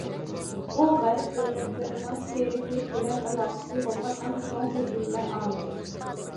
ئۇ غەرب دۆلەتلىرىنىڭ چىرىكلىك بىلەن ئالاقىسى بولغان ئەڭ چوڭ تۈزۈلمە ئامىلى.